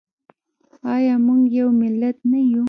آیا موږ یو ملت نه یو؟